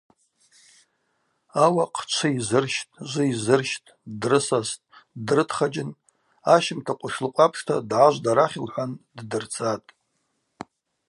Ауахъ чвы йзырщтӏ, жвы йзырщтӏ, ддрысастӏ, ддрытхаджьын ащымта къвышлыкъв апшта дгӏажвд арахь,— лхӏван—ддырцатӏ.